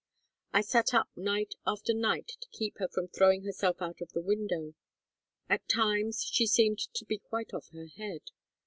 I sat up night after night to keep her from throwing herself out of the window; at times she seemed to be quite off her head.